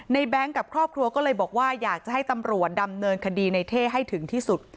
แบงค์กับครอบครัวก็เลยบอกว่าอยากจะให้ตำรวจดำเนินคดีในเท่ให้ถึงที่สุด